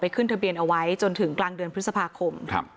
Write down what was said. ขึ้นทะเบียนเอาไว้จนถึงกลางเดือนพฤษภาคม